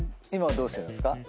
今どうしてんですか？